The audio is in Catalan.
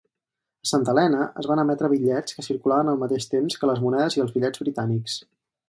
A Santa Helena es van emetre bitllets que circulaven al mateix temps que les monedes i els bitllets britànics.